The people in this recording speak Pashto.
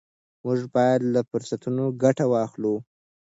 موږ باید له فرصتونو ګټه واخلو.